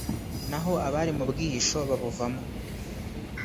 naho abari mu bwihisho babuvamo